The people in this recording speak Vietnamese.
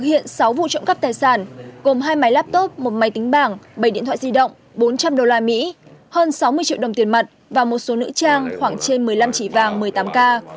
hiện sáu vụ trộm cấp tài sản gồm hai máy laptop một máy tính bảng bảy điện thoại di động bốn trăm linh đô la mỹ hơn sáu mươi triệu đồng tiền mặt và một số nữ trang khoảng trên một mươi năm trí vàng một mươi tám k